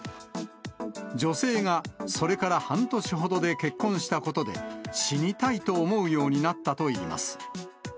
女性がそれから半年ほどで結婚したことで、死にたいと思うようになったといいます。